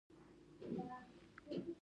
ګاونډیان زموږ لپاره څه دي؟